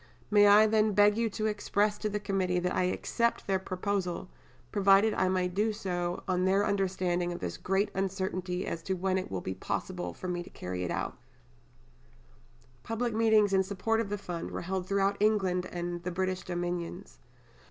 May I, then, beg you to express to the Committee that I accept their proposal, provided I may do so on their understanding of this great uncertainty as to when it will be possible for me to carry it out?" Report of the Nightingale Fund, "Addenda," pp. 1 2. Public meetings in support of the Fund were held throughout England and in the British Dominions.